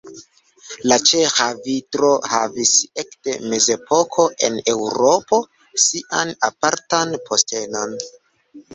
La ĉeĥa vitro havis ekde mezepoko en Eŭropo sian apartan postenon.